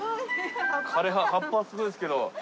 枯れ葉葉っぱはすごいですけど。